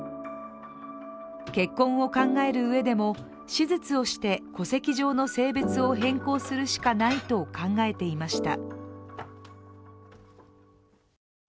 結婚を考えるうえでも、手術をして戸籍上の性別を変更するしかないと考えていました。